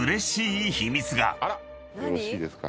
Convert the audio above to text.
よろしいですか？